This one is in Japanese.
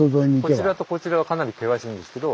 こちらとこちらはかなり険しいんですけど